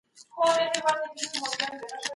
الهي احکام باید په ټولنه کي پلي سي.